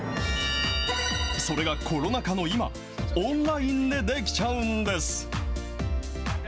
それがコロナ禍の今、オンラインでできちゃうんです。